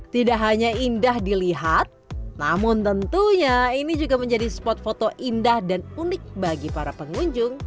tidak hanya indah dilihat namun tentunya ini juga menjadi spot foto indah dan unik bagi para pengunjung